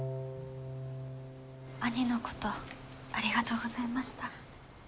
兄のことありがとうございました。